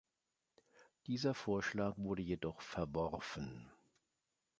Dieser Vorschlag wurde jedoch verworfen.